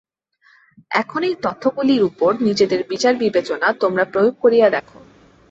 এখন এই তথ্যগুলির উপর নিজেদের বিচার-বিবেচনা তোমরা প্রয়োগ করিয়া দেখ।